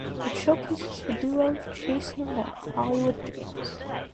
It showcases the duo "chasing their Hollywood dreams".